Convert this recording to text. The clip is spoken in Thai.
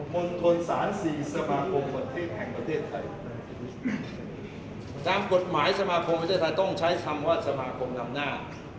มณฑลศาลสี่สมาคมประเทศแห่งประเทศไทยตามกฎหมายสมาคมประเทศไทยต้องใช้คำว่าสมาคมนำหน้า